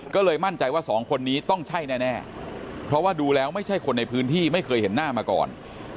ก็เลยมั่นใจว่าสองคนนี้ต้องใช่แน่เพราะว่าดูแล้วไม่ใช่คนในพื้นที่ไม่เคยเห็นหน้ามาก่อน